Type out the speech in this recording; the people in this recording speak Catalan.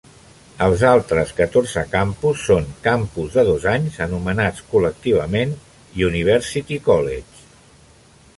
Els altres catorze campus són campus de dos anys anomenats col·lectivament "University College".